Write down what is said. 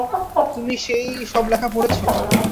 তুমি সেই সব লেখা পড়েছ?